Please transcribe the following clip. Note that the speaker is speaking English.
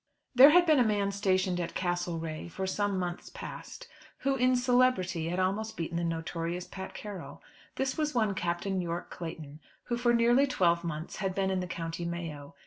There had been a man stationed at Castlerea for some months past, who in celebrity had almost beaten the notorious Pat Carroll. This was one Captain Yorke Clayton, who for nearly twelve months had been in the County Mayo.